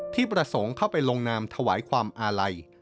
ที่ประสงค์เข้าไปลงนามถวายความอาลัย